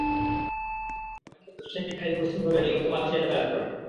ফয়েজ আহম্মেদ ব্যবসায়িক কাজে দুই বছর ধরে নিয়মিত মালয়েশিয়া যাতায়াত করেন।